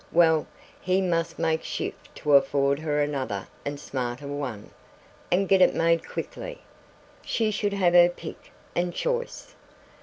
Well, he must make shift to afford her another and smarter one, and get it made quickly. She should have her pick and choice.